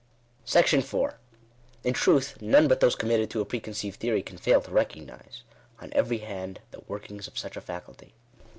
§4. In truth, none but those committed to a preconceived theory, can fail to recognise, on every hand, the workings of such a faculty.